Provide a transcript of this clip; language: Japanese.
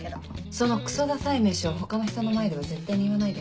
そのクソダサい名称他の人の前では絶対に言わないでね。